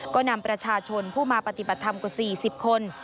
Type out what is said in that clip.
ก็นำประชาชนผู้มาปฏิบัติธรรมกว่า๔๐คน